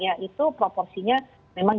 ya itu proporsinya memang